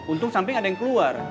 untung samping ada yang keluar